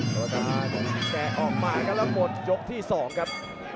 โทรศาสตร์แกะออกมาแล้วหมดยกที่๒ครับ